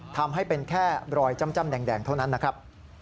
ทำให้เป็นแค่รอยจ้ำแดงเท่านั้นนะครับ